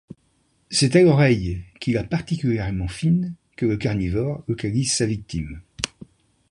C'est à l'oreille, qu'il a particulièrement fine, que le carnivore localise sa victime.